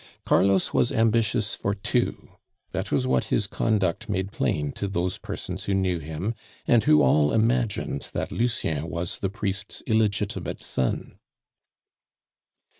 Carlos was ambitious for two; that was what his conduct made plain to those persons who knew him, and who all imagined that Lucien was the priest's illegitimate son.